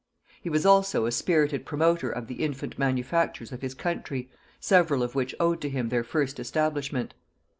He was also a spirited promoter of the infant manufactures of his country, several of which owed to him their first establishment.